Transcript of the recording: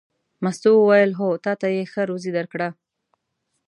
مستو وویل: هو تا ته یې ښه روزي درکړه.